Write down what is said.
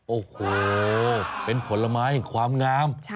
โอ้โหเป็นผลไม้ความงาม